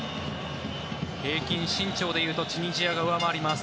平均身長でいうとチュニジアが上回ります。